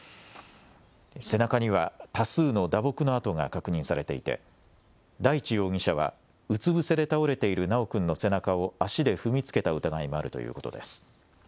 背中には多数の打撲の痕が確認されていて、大地容疑者は、うつ伏せで倒れている修くんの背中を足で踏みつけた疑いもあるということです。